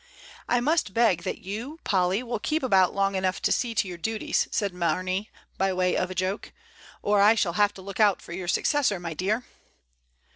"I must beg that you, Polly, will keep about long enough to see to your duties," said Marney, by way of a joke; "or I shall have to look out for your suc cessor, my dear."